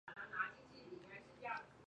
螯埃齿螯蛛为球蛛科齿螯蛛属的动物。